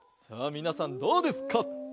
さあみなさんどうですか？